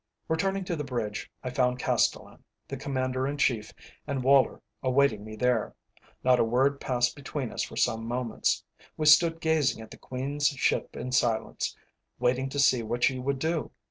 Returning to the bridge I found Castellan, the Commander in Chief, and Woller awaiting me there. Not a word passed between us for some moments. We stood gazing at the Queen's ship in silence, waiting to see what she would do.